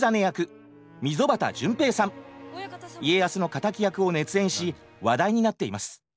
家康の敵役を熱演し話題になっています。